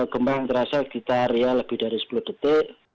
gempa yang terasa kita ria lebih dari sepuluh detik